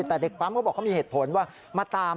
แต่เด็กปั๊มเขาบอกเขามีเหตุผลว่ามาตาม